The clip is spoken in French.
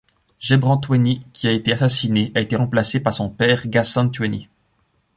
Gebran Tuéni, qui a été assassiné, a été remplacé par son père Ghassan Tuéni.